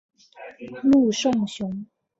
陆颂雄。